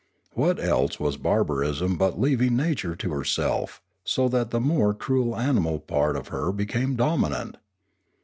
What else was barbarism but leaving nature to herself, so that the more cruel animal part of her became dominant